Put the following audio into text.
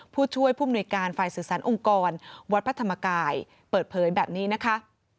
ผู้ช่วยผู้มนุยการฝ่ายสื่อสารองค์กรวัดพระธรรมกายเปิดเผยแบบนี้นะคะ